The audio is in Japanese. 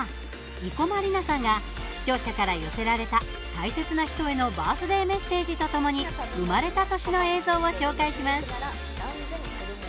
生駒里奈さんが視聴者から寄せられた大切な人へのバースデーメッセージとともに生まれた年の映像を紹介します。